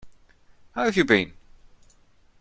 How have you been?